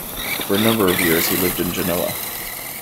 For a number of years he lived in Genoa.